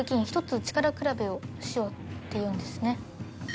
ひとつ力比べをしよう」って言うんですね。